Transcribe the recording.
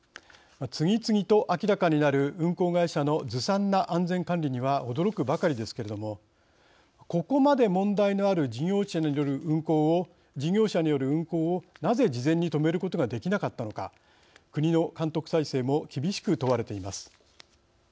次々と明らかになる運航会社のずさんな安全管理には驚くばかりですけれどもここまで問題のある事業者による運航をなぜ事前に止めることができなかったのか国の監督体制も厳しく問われています。